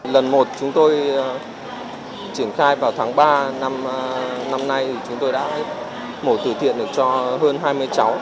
lần một chúng tôi triển khai vào tháng ba năm nay chúng tôi đã mổ tử thiện được cho hơn hai mươi cháu